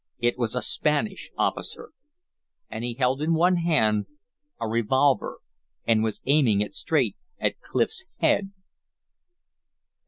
It was a Spanish officer! And he held in one hand a revolver and was aiming it straight at Clif's head.